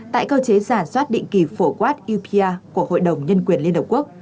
tại cơ chế giả soát định kỳ phổ quát upr của hội đồng nhân quyền liên hợp quốc